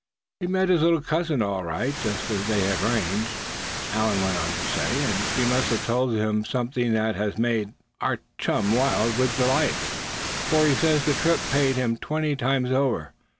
"He met his little cousin, all right, just as they had arranged," Allan went on to say. "And she must have told him something that has made our chum wild with delight, for he says the trip paid him twenty times over.